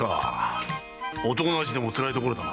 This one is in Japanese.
男の足でもつらい所だな。